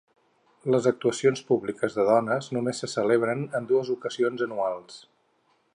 Les actuacions públiques de dones només se celebraven en dues ocasions anuals.